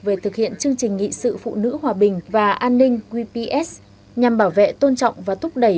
về thực hiện chương trình nghị sự phụ nữ hòa bình và an ninh qps nhằm bảo vệ tôn trọng và thúc đẩy